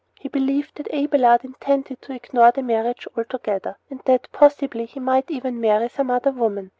He believed that Abelard intended to ignore the marriage altogether, and that possibly he might even marry some other woman.